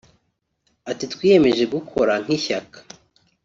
Ati “Twiyemeje gukora nk’ishyaka